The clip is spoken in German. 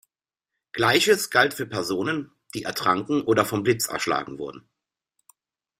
Gleiches galt für Personen, die ertranken oder vom Blitz erschlagen wurden.